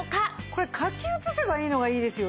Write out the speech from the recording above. これ書き写せばいいのがいいですよね。